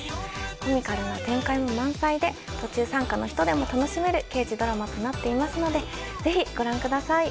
コミカルな展開も満載で途中参加の人でも楽しめる刑事ドラマとなっていますのでぜひご覧ください。